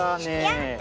やった！